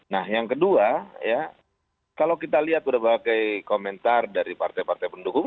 nah yang kedua ya kalau kita lihat berbagai komentar dari partai partai pendukung